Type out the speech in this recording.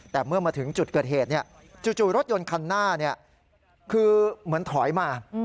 แต่เมื่อมาถึงจุดเกิดเหตุจู่รถยนต์คันหน้าคือเหมือนถอยมา